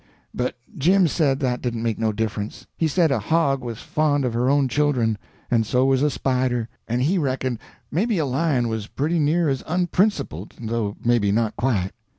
But Jim said that didn't make no difference. He said a hog was fond of her own children, and so was a spider, and he reckoned maybe a lion was pretty near as unprincipled though maybe not quite.